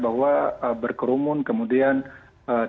bahwa berkerumun kemudian berkumpul